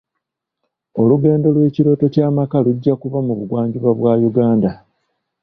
Olugendo lw'ekirooto ky'amaka lujja kuba mu bugwanjuba bwa Uganda.